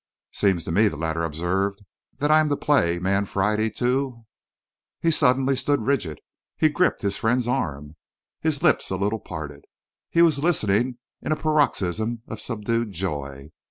"Seems to me," the latter observed, "that I am to play Man Friday to " He suddenly stood rigid. He gripped his friend's arm, his lips a little parted. He was listening in a paroxysm of subdued joy.